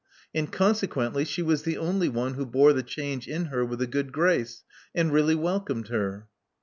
And consequently, she was the only one who bore the change in her with a good grace, and really welcomed her."